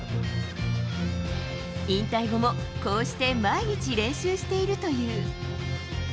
引退後もこうして毎日練習しているという。